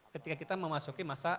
ketika kita memasuki masa